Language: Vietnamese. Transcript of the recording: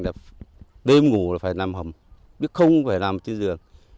là đêm ngủ phải nằm hầm không phải nằm trên giường